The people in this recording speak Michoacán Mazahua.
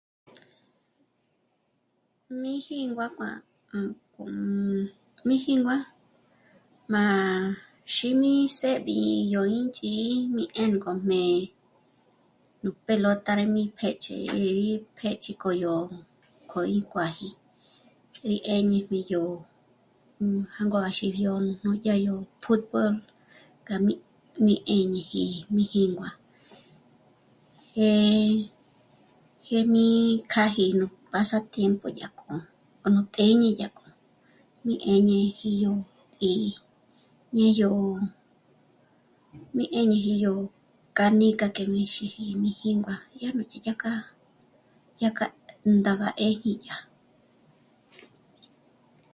Mí jíngua má... ah..., ah..., mí jíngua má xími s'éb'i yó índzhí'i mi 'ènkojme nú pelota rí péch'i, pjéchi k'o yó íkuaji chǘ'ü rí 'éñebi yó nú jângo à xíbi ò núdya yó fútbol k'a mí, mí 'éñeji mí jíngua, eh..., jyä̀jmi kjâji nú pasatiempo yá k'o ò nú tjéñe dyá kjo mí 'éñeji yó 'í'i ñé yó mi 'éñeji yó canica k'e mí xíji mixíngua yájme dyé k'a kjâ'a dyá k'a ndága 'éjñi yá